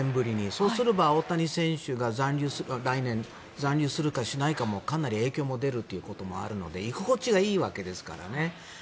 そうすれば大谷選手が来年、残留するかしないかもかなり影響も出るということもあるので居心地がいいわけですからね。